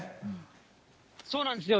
そうなんですよ。